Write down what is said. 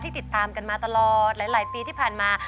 ติดตามกันมาตลอดหลายปีที่ผ่านมา